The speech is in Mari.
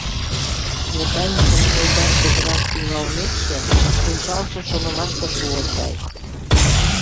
Но Даникын чолган кутыраш тӱҥалмекше, пунчалже шонымашке шуо чай.